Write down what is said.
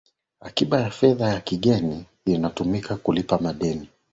akiba ya fedha za kigeni inatumika kulipa madeni